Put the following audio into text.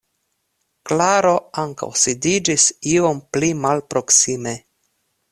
Klaro ankaŭ sidiĝis iom pli malproksime.